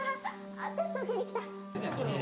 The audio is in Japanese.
あっテスト受けに来た？